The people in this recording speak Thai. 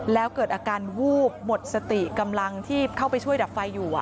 แล้วเกิดอาการวูบหมดสติกำลังที่เข้าไปช่วยดับไฟอยู่